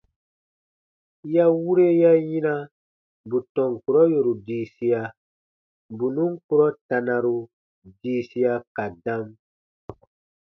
Ya wure ya yina bù tɔn kurɔ yòru diisia, bù nùn kurɔ tanaru diisia ka dam.